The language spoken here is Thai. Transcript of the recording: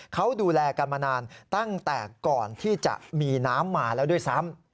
เขาดูแลกันมานานตั้งแต่ก่อนที่จะมีน้ำมาแล้วด้วยซ้ำ